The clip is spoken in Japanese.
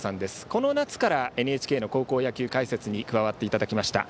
この夏からＮＨＫの高校野球解説に加わっていただきました。